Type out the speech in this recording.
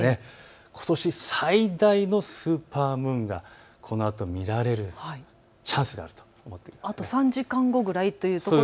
ことし最大のスーパームーンがこのあと見られるチャンスがあると思ってください。